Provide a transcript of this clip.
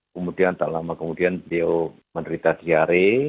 kemudian tak lama kemudian beliau menderita diare